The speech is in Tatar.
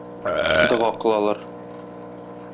Дога кылалар.